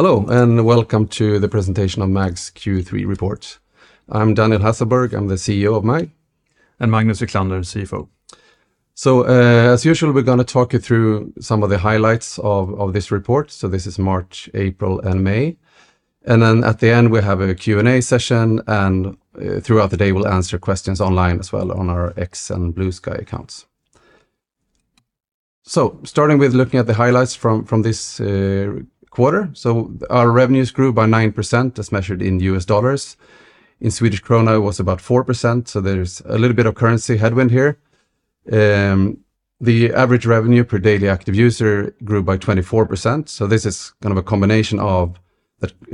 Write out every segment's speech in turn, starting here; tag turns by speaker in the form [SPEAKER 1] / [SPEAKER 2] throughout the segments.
[SPEAKER 1] Hello, welcome to the presentation of MAG's Q3 report. I'm Daniel Hasselberg, I'm the CEO of MAG.
[SPEAKER 2] Magnus Wiklander, CFO.
[SPEAKER 1] As usual, we're going to talk you through some of the highlights of this report, this is March, April, and May. Then at the end, we have a Q&A session, and throughout the day we'll answer questions online as well on our X and Bluesky accounts. Starting with looking at the highlights from this quarter. Our revenues grew by 9% as measured in US dollars. In Swedish krona was about 4%, there's a little bit of currency headwind here. The average revenue per daily active user grew by 24%. This is a combination of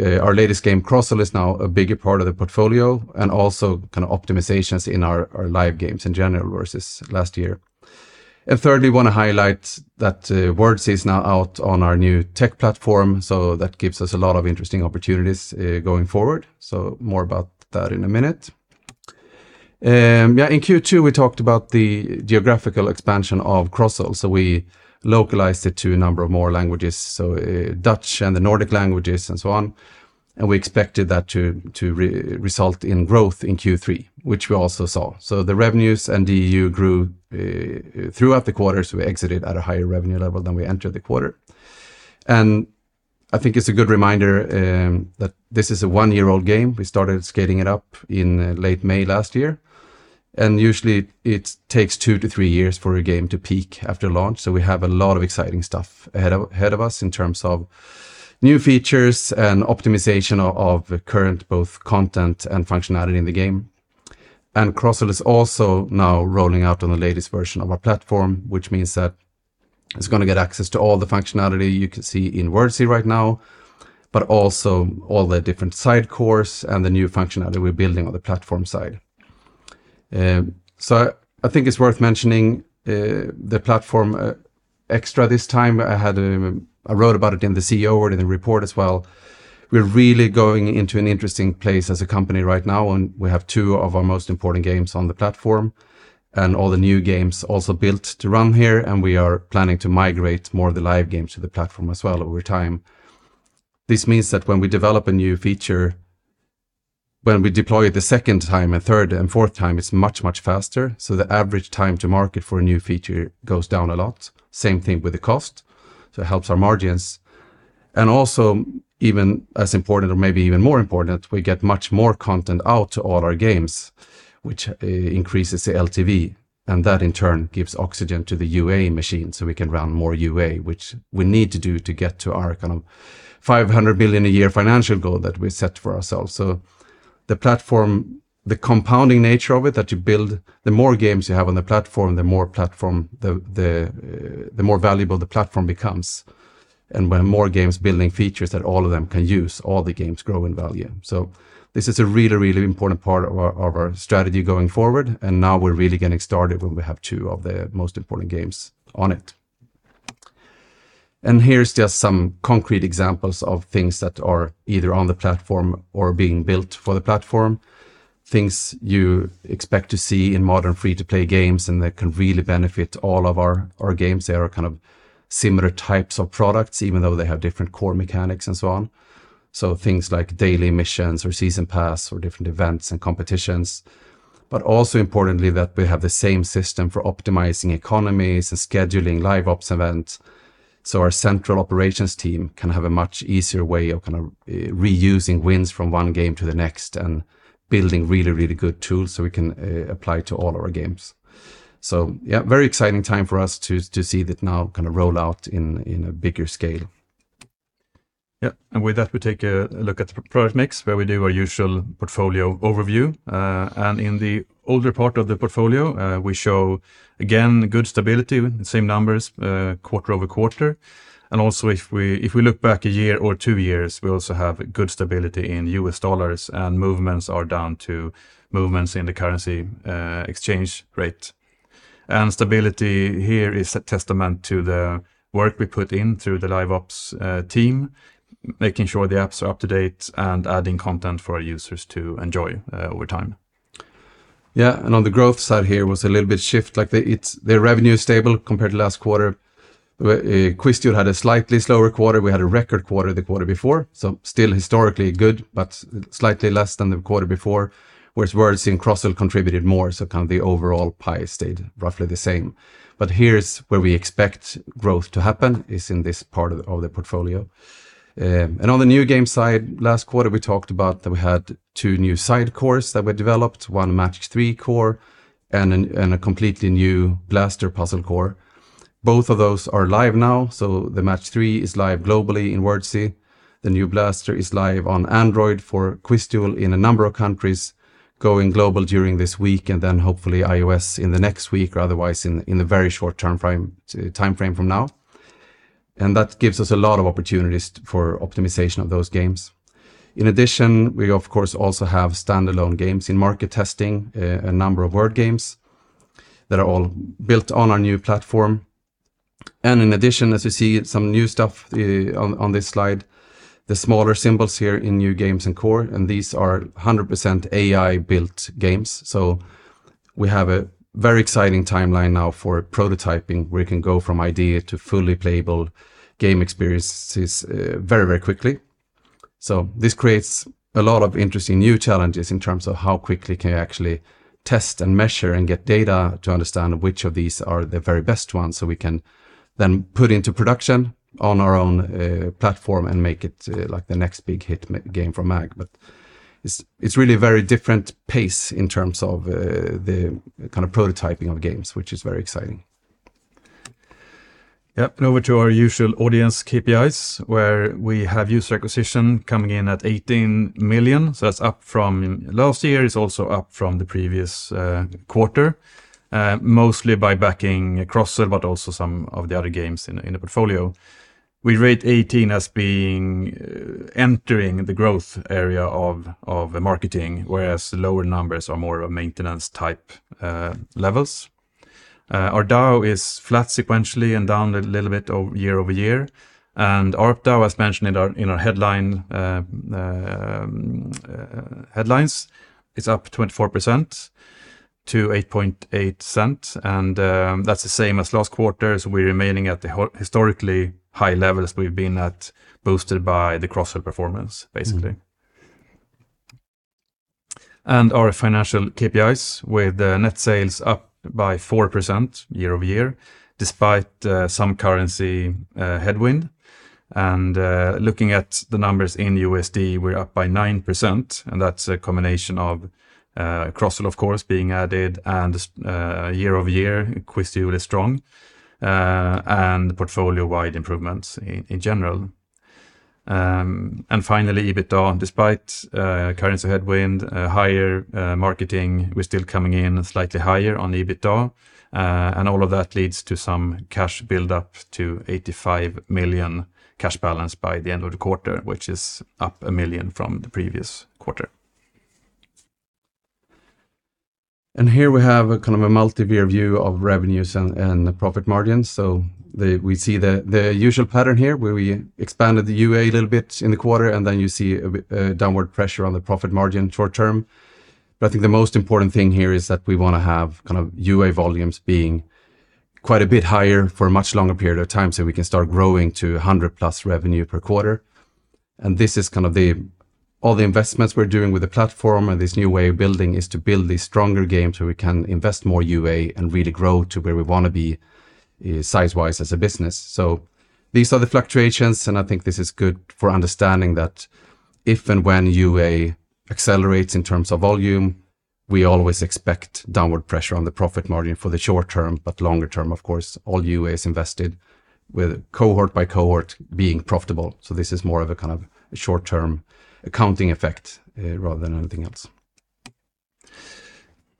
[SPEAKER 1] our latest game, Crozzle, is now a bigger part of the portfolio and also optimizations in our live games in general versus last year. Thirdly, want to highlight that Wordzee is now out on our new tech platform, so that gives us a lot of interesting opportunities going forward. More about that in a minute. In Q2, we talked about the geographical expansion of Crozzle. We localized it to a number of more languages, so Dutch and the Nordic languages and so on. We expected that to result in growth in Q3, which we also saw. The revenues and DAU grew throughout the quarter, so we exited at a higher revenue level than we entered the quarter. I think it's a good reminder that this is a one-year-old game. We started scaling it up in late May last year. Usually it takes two to three years for a game to peak after launch, so we have a lot of exciting stuff ahead of us in terms of new features and optimization of the current both content and functionality in the game. Crozzle is also now rolling out on the latest version of our platform, which means that it's going to get access to all the functionality you can see in Wordzee right now, but also all the different side cores and the new functionality we're building on the platform side. I think it's worth mentioning the platform extra this time. I wrote about it in the CEO word and the report as well. We're really going into an interesting place as a company right now. We have two of our most important games on the platform and all the new games also built to run here. We are planning to migrate more of the live games to the platform as well over time. This means that when we develop a new feature, when we deploy it the second time, third and fourth time, it's much, much faster. The average time to market for a new feature goes down a lot. Same thing with the cost. It helps our margins and also, even as important or maybe even more important, we get much more content out to all our games, which increases the LTV. That in turn gives oxygen to the UA machine so we can run more UA, which we need to do to get to our 500 million a year financial goal that we set for ourselves. The platform, the compounding nature of it, that you build, the more games you have on the platform, the more valuable the platform becomes. When more games building features that all of them can use, all the games grow in value. This is a really, really important part of our strategy going forward. Now we're really getting started when we have two of the most important games on it. Here's just some concrete examples of things that are either on the platform or being built for the platform, things you expect to see in modern free-to-play games, that can really benefit all of our games. They are similar types of products, even though they have different core mechanics and so on. Things like daily missions or season pass or different events and competitions. Also importantly that we have the same system for optimizing economies and scheduling live ops events. Our central operations team can have a much easier way of reusing wins from one game to the next and building really, really good tools so we can apply to all our games. Yeah, very exciting time for us to see that now roll out in a bigger scale.
[SPEAKER 2] Yeah. With that, we take a look at the product mix where we do our usual portfolio overview. In the older part of the portfolio, we show again good stability, same numbers, quarter-over-quarter. Also if we look back a year or two years, we also have good stability in US dollars, and movements are down to movements in the currency exchange rate. Stability here is a testament to the work we put in through the live ops team, making sure the apps are up to date and adding content for our users to enjoy over time.
[SPEAKER 1] Yeah. On the growth side here was a little bit shift. The revenue is stable compared to last quarter, where QuizDuel had a slightly slower quarter. We had a record quarter the quarter before, so still historically good, but slightly less than the quarter before. Whereas Wordzee and Crozzle contributed more, so the overall pie stayed roughly the same. Here is where we expect growth to happen is in this part of the portfolio. On the new game side, last quarter, we talked about that we had two new side cores that were developed, one Match-3 core and a completely new blaster puzzle core. Both of those are live now, so the Match-3 is live globally in Wordzee. The new Blaster is live on Android for QuizDuel in a number of countries, going global during this week, and then hopefully iOS in the next week or otherwise in the very short timeframe from now. That gives us a lot of opportunities for optimization of those games. In addition, we of course also have standalone games in market testing, a number of word games that are all built on our new platform. In addition, as you see some new stuff on this slide, the smaller symbols here in new games and core, and these are 100% AI-built games. We have a very exciting timeline now for prototyping, where we can go from idea to fully playable game experiences very quickly. This creates a lot of interesting new challenges in terms of how quickly can you actually test and measure and get data to understand which of these are the very best ones so we can then put into production on our own platform and make it the next big hit game from MAG. It's really a very different pace in terms of the prototyping of games, which is very exciting.
[SPEAKER 2] Over to our usual audience KPIs, where we have user acquisition coming in at 18 million. That's up from last year. It's also up from the previous quarter, mostly by backing Crozzle, but also some of the other games in the portfolio. We rate 18 as entering the growth area of marketing, whereas lower numbers are more of a maintenance type levels. Our DAU is flat sequentially and down a little bit year-over-year. ARPDAU, as mentioned in our headlines, is up 24% to $0.088, and that's the same as last quarter. We're remaining at the historically high levels we've been at, boosted by the Crozzle performance, basically. Our financial KPIs, with net sales up by 4% year-over-year, despite some currency headwind. Looking at the numbers in USD, we're up by 9%, and that's a combination of Crozzle, of course, being added and, year-over-year, QuizDuel is strong, and portfolio-wide improvements in general. Finally, EBITDA, despite currency headwind, higher marketing, we're still coming in slightly higher on EBITDA. All of that leads to some cash build-up to 85 million cash balance by the end of the quarter, which is up 1 million from the previous quarter.
[SPEAKER 1] Here we have a multi-year view of revenues and profit margins. We see the usual pattern here, where we expanded the UA a little bit in the quarter, and then you see a downward pressure on the profit margin short-term. I think the most important thing here is that we want to have UA volumes being quite a bit higher for a much longer period of time so we can start growing to 100 million+ revenue per quarter. This is all the investments we're doing with the platform and this new way of building is to build these stronger games so we can invest more UA and really grow to where we want to be size-wise as a business. These are the fluctuations, and I think this is good for understanding that if and when UA accelerates in terms of volume, we always expect downward pressure on the profit margin for the short-term. Longer-term, of course, all UA is invested with cohort by cohort being profitable. This is more of a short-term accounting effect rather than anything else.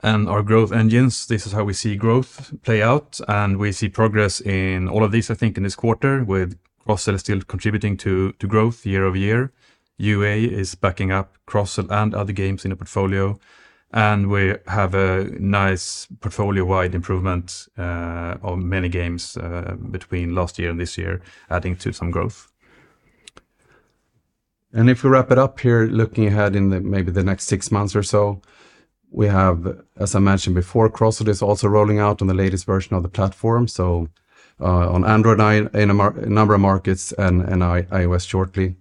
[SPEAKER 1] Our growth engines, this is how we see growth play out, and we see progress in all of these, I think, in this quarter with Crozzle is still contributing to growth year-over-year. UA is backing up Crozzle and other games in the portfolio, and we have a nice portfolio-wide improvement of many games between last year and this year, adding to some growth. If we wrap it up here, looking ahead in maybe the next six months or so, we have, as I mentioned before, Crozzle is also rolling out on the latest version of the platform, so on Android in a number of markets and iOS shortly.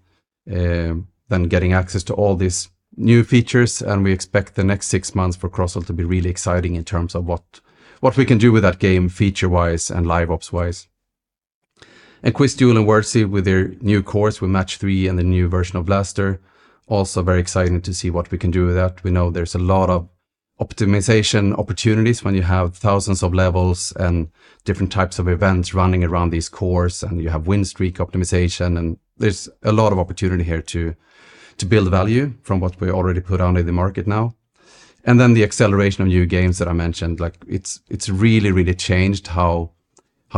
[SPEAKER 1] Getting access to all these new features, and we expect the next six months for Crozzle to be really exciting in terms of what we can do with that game feature-wise and live ops-wise. QuizDuel and Wordzee with their new course with Match-3 and the new version of Blaster, also very exciting to see what we can do with that. We know there's a lot of optimization opportunities when you have thousands of levels and different types of events running around these cores, and you have win streak optimization, and there's a lot of opportunity here to build value from what we already put out in the market now. The acceleration of new games that I mentioned, it's really changed how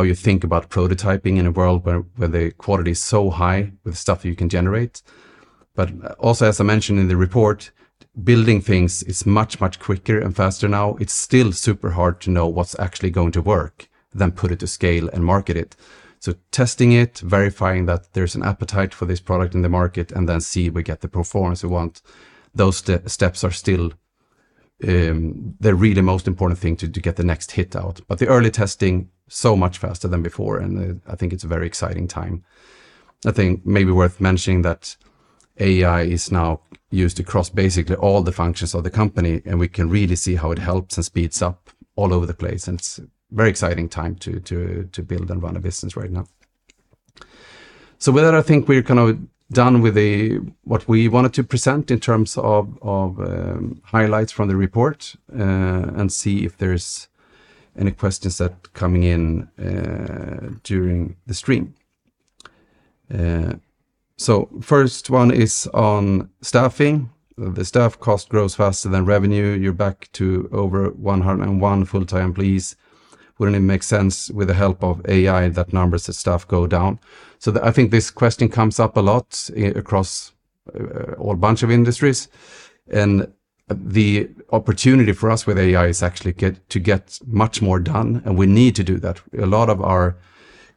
[SPEAKER 1] you think about prototyping in a world where the quality is so high with stuff you can generate. Also, as I mentioned in the report, building things is much quicker and faster now. It's still super hard to know what's actually going to work, then put it to scale and market it. Testing it, verifying that there's an appetite for this product in the market, and then see if we get the performance we want. Those steps are still the really most important thing to get the next hit out. The early testing, so much faster than before, and I think it's a very exciting time. I think may be worth mentioning that AI is now used across basically all the functions of the company, and we can really see how it helps and speeds up all over the place, and it's a very exciting time to build and run a business right now. With that, I think we're done with what we wanted to present in terms of highlights from the report, and see if there's any questions that coming in during the stream. First one is on staffing. The staff cost grows faster than revenue. You're back to over 101 full-time employees. Wouldn't it make sense with the help of AI that numbers of staff go down? I think this question comes up a lot across all bunch of industries, and the opportunity for us with AI is actually to get much more done, and we need to do that. A lot of our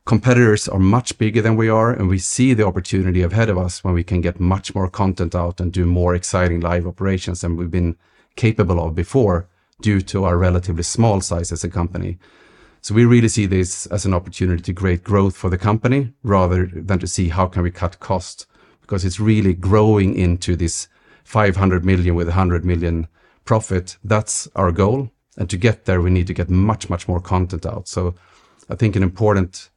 [SPEAKER 1] competitors are much bigger than we are, and we see the opportunity ahead of us where we can get much more content out and do more exciting live operations than we've been capable of before. Due to our relatively small size as a company. We really see this as an opportunity to create growth for the company rather than to see how can we cut cost, because it's really growing into this 500 million with 100 million profit. That's our goal. To get there, we need to get much, much more content out. I think an important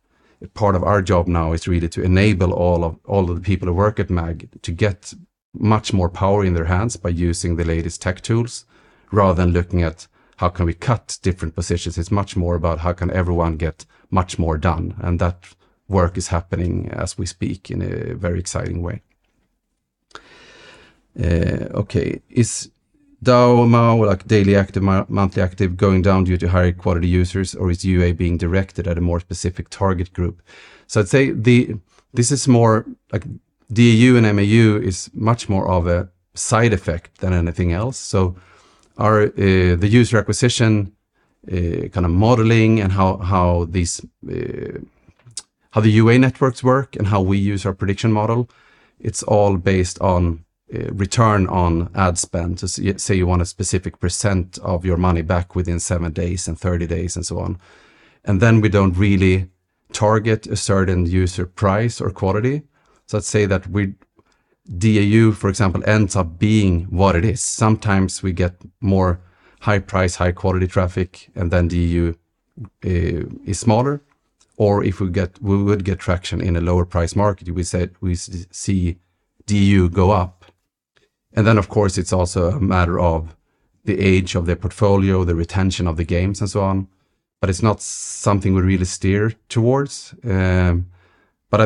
[SPEAKER 1] part of our job now is really to enable all of the people who work at MAG to get much more power in their hands by using the latest tech tools, rather than looking at how can we cut different positions. It's much more about how can everyone get much more done, and that work is happening as we speak in a very exciting way. Okay. Is DAU, MAU, daily active, monthly active, going down due to higher quality users, or is UA being directed at a more specific target group? I'd say DAU and MAU is much more of a side effect than anything else. The user acquisition, modeling and how the UA networks work and how we use our prediction model, it's all based on return on ad spend. Say you want a specific percent of your money back within seven days and 30 days and so on. We don't really target a certain user price or quality. Let's say that DAU, for example, ends up being what it is. Sometimes we get more high price, high quality traffic, and then DAU is smaller. Or if we would get traction in a lower price market, we see DAU go up. Of course, it's also a matter of the age of their portfolio, the retention of the games and so on. It's not something we really steer towards. I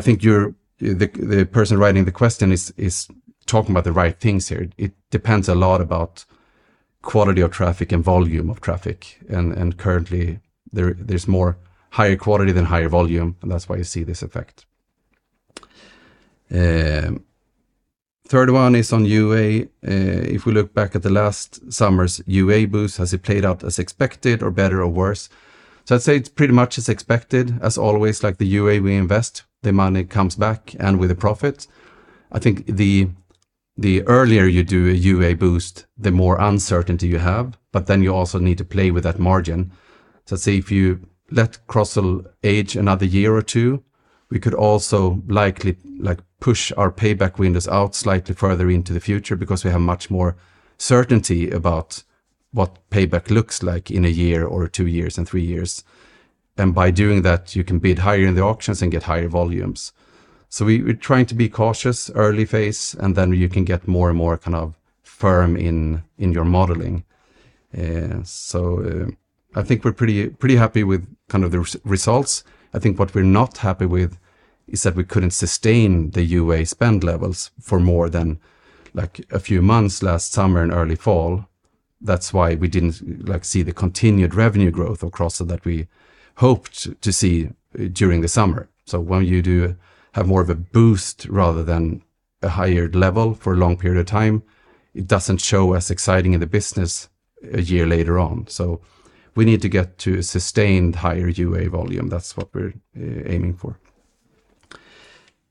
[SPEAKER 1] think the person writing the question is talking about the right things here. It depends a lot about quality of traffic and volume of traffic. Currently, there's more higher quality than higher volume, and that's why you see this effect. Third one is on UA. If we look back at the last summer's UA boost, has it played out as expected or better or worse? I'd say it's pretty much as expected. As always, the UA we invest, the money comes back and with a profit. I think the earlier you do a UA boost, the more uncertainty you have, but then you also need to play with that margin. Say if you let Crozzle age another year or two, we could also likely push our payback windows out slightly further into the future because we have much more certainty about what payback looks like in a year or two years and three years. By doing that, you can bid higher in the auctions and get higher volumes. We're trying to be cautious early phase, and then you can get more and more firm in your modeling. I think we're pretty happy with the results. I think what we're not happy with is that we couldn't sustain the UA spend levels for more than a few months last summer and early fall. That's why we didn't see the continued revenue growth across that we hoped to see during the summer. When you do have more of a boost rather than a higher level for a long period of time, it doesn't show as exciting in the business a year later on. We need to get to a sustained higher UA volume. That's what we're aiming for.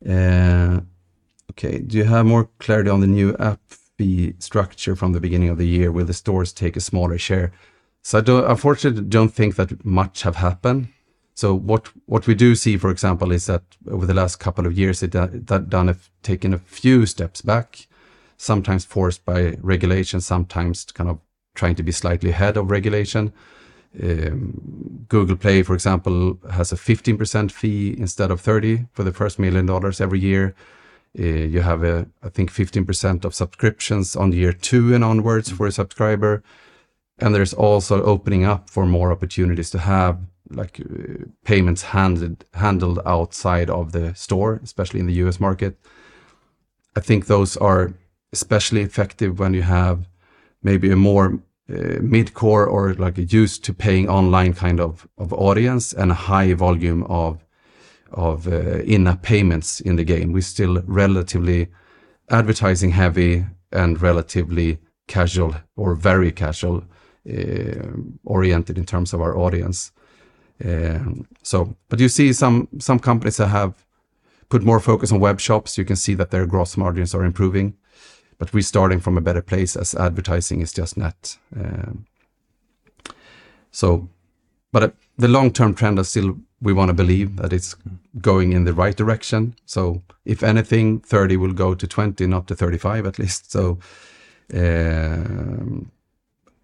[SPEAKER 1] Okay. Do you have more clarity on the new app fee structure from the beginning of the year where the stores take a smaller share? I unfortunately don't think that much have happened. What we do see, for example, is that over the last couple of years, they have taken a few steps back, sometimes forced by regulation, sometimes trying to be slightly ahead of regulation. Google Play, for example, has a 15% fee instead of 30% for the first $1 million every year. You have, I think, 15% of subscriptions on year two and onwards for a subscriber. There's also opening up for more opportunities to have payments handled outside of the store, especially in the U.S. market. I think those are especially effective when you have maybe a more mid-core or used to paying online kind of audience and a high volume of in-app payments in the game. We're still relatively advertising heavy and relatively casual or very casual-oriented in terms of our audience. You see some companies that have put more focus on web shops. You can see that their gross margins are improving. We're starting from a better place as advertising is just net. The long-term trend, we want to believe that it's going in the right direction. If anything, 30% will go to 20%, not to 35% at least.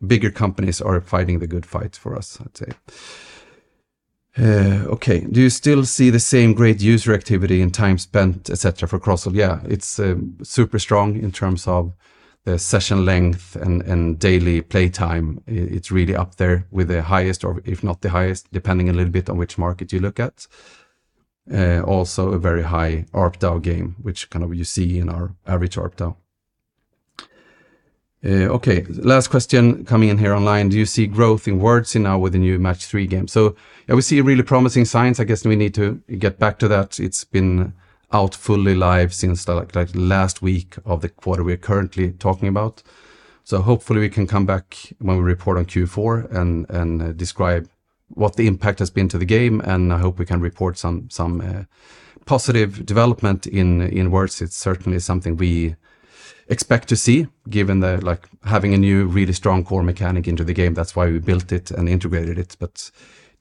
[SPEAKER 1] Bigger companies are fighting the good fight for us, I'd say. Okay. Do you still see the same great user activity and time spent, et cetera, for Crozzle? Yeah, it's super strong in terms of the session length and daily play time. It's really up there with the highest or if not the highest, depending a little bit on which market you look at. Also a very high ARPDAU game, which you see in our average ARPDAU. Okay, last question coming in here online. Do you see growth in Wordzee now with the new Match-3 game? We see really promising signs. I guess we need to get back to that. It's been out fully live since the last week of the quarter we're currently talking about. Hopefully we can come back when we report on Q4 and describe what the impact has been to the game, and I hope we can report some positive development in Wordzee. It's certainly something we expect to see given having a new, really strong core mechanic into the game. That's why we built it and integrated it, but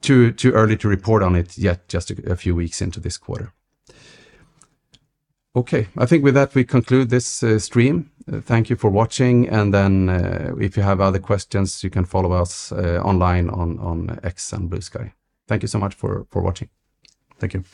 [SPEAKER 1] too early to report on it yet just a few weeks into this quarter. Okay. I think with that, we conclude this stream. Thank you for watching, if you have other questions, you can follow us online on X and Bluesky. Thank you so much for watching.
[SPEAKER 2] Thank you.